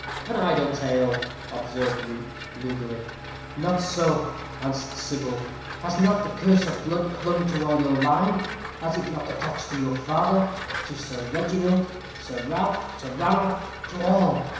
"An idle tale," observed Luke, moodily. "Not so," answered Sybil. "Has not the curse of blood clung to all your line? Has it not attached to your father to Sir Reginald Sir Ralph Sir Ranulph to all?